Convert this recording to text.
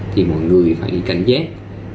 thì mọi người phải cảnh giác